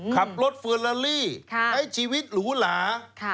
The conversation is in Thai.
ขับรถเฟอร์ลาลี่ใช้ชีวิตหรูหลา